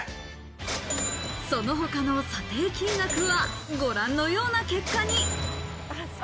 その他の査定金額は、ご覧のような結果に。